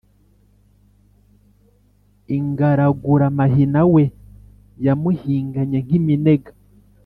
ingaraguramahina we yamuhinganye nk'iminega